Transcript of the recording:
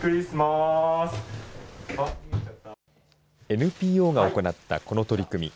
ＮＰＯが行ったこの取り組み。